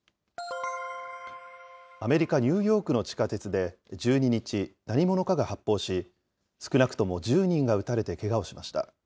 アメリカ・ニューヨークの地下鉄で１２日、何者かが発砲し、少なくとも１０人が撃たれてけがをしました。